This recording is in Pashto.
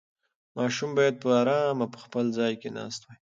ماشوم باید په ارامه په خپل ځای ناست وای.